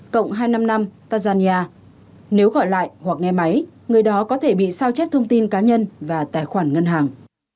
cộng hai trăm năm mươi năm tanzania nếu gọi lại hoặc nghe máy người đó có thể bị sao chép thông tin cá nhân và tài khoản ngân hàng